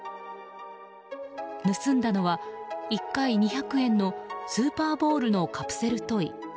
盗んだのは１回２００円のスーパーボールのカプセルトイ。